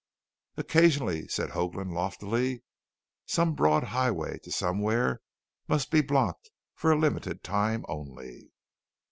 "Occasionally," said Hoagland loftily, "some broad highway to somewhere must be blocked for a limited time only."